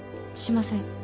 しません。